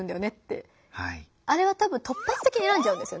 あれはたぶん突発的に選んじゃうんですよね。